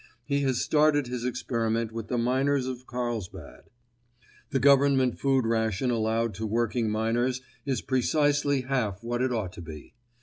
He has started his experiment with the miners of Carlsbad. The Government food ration allowed to working miners is precisely half what it ought to be.